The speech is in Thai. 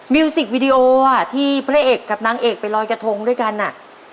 มิวสิกวิดีโออ่ะที่พระเอกกับนางเอกไปลอยกระทงด้วยกันอ่ะ